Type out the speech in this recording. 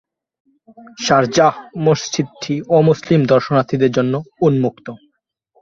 Sharjah মসজিদটি অমুসলিম দর্শনার্থীদের জন্য উন্মুক্ত।